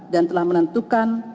dan telah menentukan